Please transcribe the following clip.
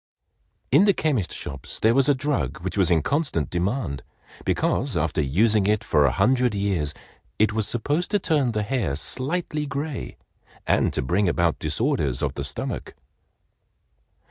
In the chemist shops there was a drug which was in constant demand, because after using it for a hundred years, it was supposed to turn the hair slightly gray and to bring about disorders of the stomach.